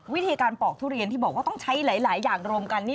วิธีการปอกทุเรียนที่บอกว่าต้องใช้หลายอย่างรวมกัน